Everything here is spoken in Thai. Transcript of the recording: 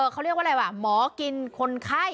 เขาเรียกว่าอะไรวะหมอกินคนไข้